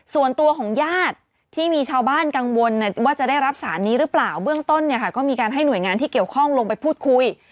ส่วนตัวของญาติที่มีชาวบ้านกังวลว่าจะได้รับสารนี้หรือเปล่าเบื้องต้นเนี่ยค่ะก็มีการให้หน่วยงานที่เกี่ยวข้องลงไปพูดคุย